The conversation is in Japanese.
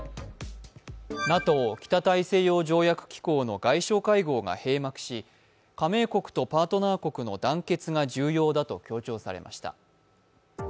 ＮＡＴＯ＝北大西洋条約機構の外相会合が閉幕し、加盟国とパートナー国の団結が重要だと強調されました。